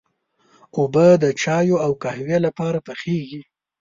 اوبه د چايو او قهوې لپاره پخېږي.